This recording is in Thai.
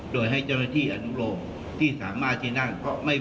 โดยให้เจ้าหน้าที่อนุโลมที่สามารถที่นั่ง